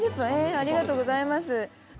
ありがとうございます。